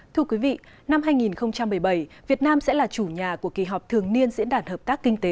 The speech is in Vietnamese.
thưa quý vị năm hai nghìn một mươi bảy việt nam sẽ là chủ nhà của kỳ họp thường niên diễn đàn hợp tác kinh tế